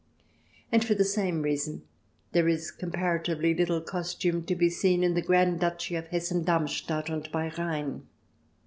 And for the same reason, there is comparatively little costume to be seen in the Grand Duchy of Hessen Darmstadt and Bei Rhein.